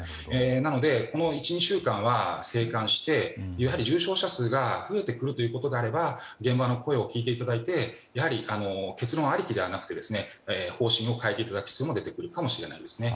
なので、１２週間は静観してやはり重症者数が増えてくるということであれば現場の声を聞いていただき結論ありきではなく方針を変えていただく必要も出てくるかもしれません。